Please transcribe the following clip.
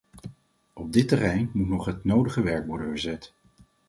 Op dit terrein moet nog het nodige werk worden verzet.